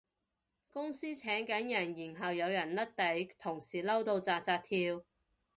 公司請緊人然後有人甩底，同事嬲到紮紮跳